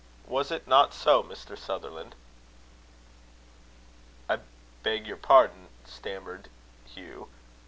Was it not so, Mr. Sutherland?" "I beg your pardon," stammered Hugh.